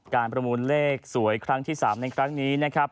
ประมูลเลขสวยครั้งที่๓ในครั้งนี้นะครับ